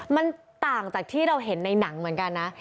มันต่างจากที่เราเห็นในหนังเหมือนกันนะ